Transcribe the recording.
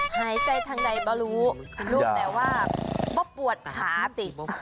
หายใจทางใดบ่รู้รู้แต่ว่าก็ปวดขาสิ